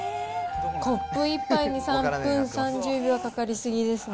コップ１杯に３分３０秒はかかり過ぎですね。